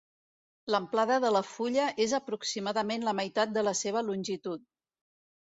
L'amplada de la fulla és aproximadament la meitat de la seva longitud.